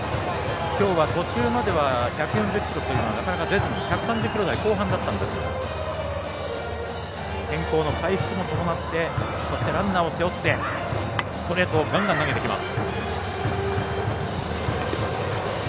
きょうは途中までは１４０キロというのはなかなか出ずに１３０キロ台後半だったんですが天候の回復も伴ってランナーを背負ってストレートをガンガン投げてきます。